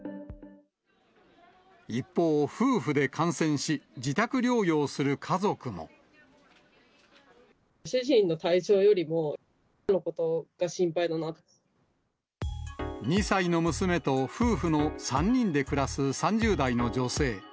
一方、夫婦で感染し、自宅療主人の体調よりも娘のことが２歳の娘と夫婦の３人で暮らす３０代の女性。